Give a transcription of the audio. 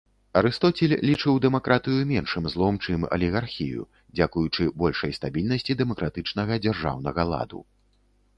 Арыстоцель лічыў дэмакратыю меншым злом, чым алігархію, дзякуючы большай стабільнасці дэмакратычнага дзяржаўнага ладу.